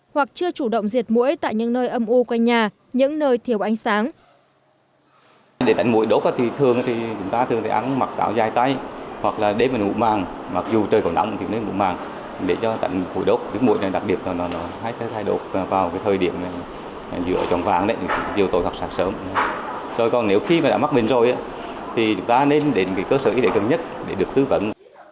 hoặc chưa chủ động diệt mũi tại những nơi âm u quanh nhà những nơi thiếu ánh sáng